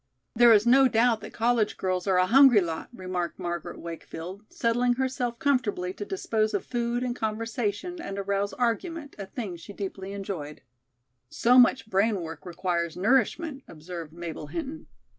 "There is no doubt that college girls are a hungry lot," remarked Margaret Wakefield, settling herself comfortably to dispose of food and conversation and arouse argument, a thing she deeply enjoyed. "So much brain work requires nourishment," observed Mabel Hinton.